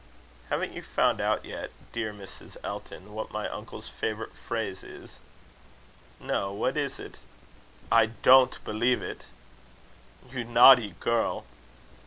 "Haven't you found out yet, dear Mrs. Elton, what my uncle's favourite phrase is?" "No. What is it?" "I don't believe it." "You naughty girl!"